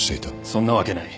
そんなわけない。